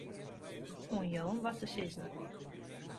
Oan jo om wat te sizzen.